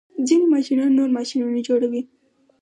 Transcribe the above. ځینې ماشینونه نور ماشینونه جوړوي.